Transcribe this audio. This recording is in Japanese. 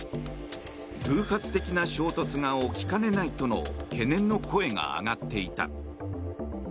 偶発的な衝突が起きかねないとの懸念の声が上がっていた。